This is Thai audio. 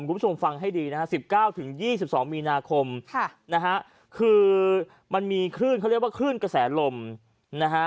คุณผู้ชมฟังให้ดีนะฮะ๑๙๒๒มีนาคมนะฮะคือมันมีคลื่นเขาเรียกว่าคลื่นกระแสลมนะฮะ